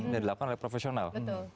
dan dilakukan oleh profesional